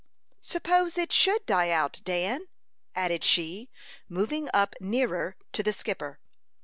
"Suppose it should die out, Dan?" added she, moving up nearer to the skipper.